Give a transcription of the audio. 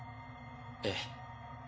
ええ。